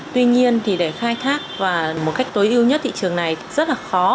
tuy nhiên thì để khai thác và một cách tối ưu nhất thị trường này rất là khó